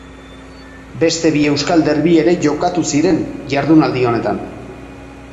Beste bi euskal derbi ere jokatu ziren ihardunaldi honetan.